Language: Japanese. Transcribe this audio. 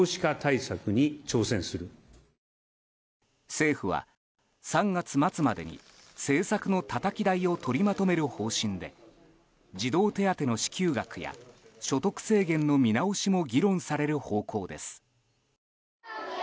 政府は３月末までに政策のたたき台を取りまとめる方針で児童手当の支給額や所得制限の見直しも議論される方向です。